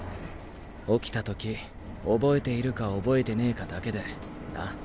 起きた時覚えているか覚えてねぇかだけでな。